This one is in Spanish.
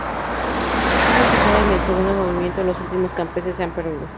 Como sucede en el segundo movimiento, los últimos compases se han perdido.